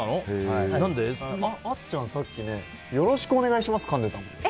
あっちゃん、さっきよろしくお願いしますをかんでたよね。